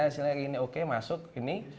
hasilnya kayak gini oke masuk gini